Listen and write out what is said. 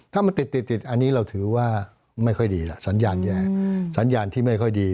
ถ้ามันติดติดอันนี้เราถือว่าไม่ค่อยดีแล้วสัญญาณแย่สัญญาณที่ไม่ค่อยดี